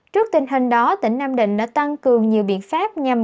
trước tình hình đó tỉnh nam định đã tăng cường nhiều biện pháp nhằm